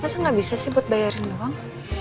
masa gak bisa sih buat bayarin doang